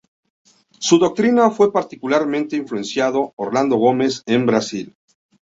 Su doctrina fue particularmente influenciado Orlando Gomez en Brasil.